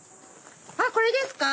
あっこれですか？